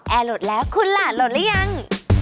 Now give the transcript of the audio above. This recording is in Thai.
แอร์โหลดแล้วคุณล่ะโหลดแล้วยัง